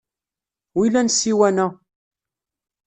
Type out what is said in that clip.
Wilan ssiwan-a?